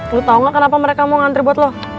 lo tau gak kenapa mereka mau ngantri buat lo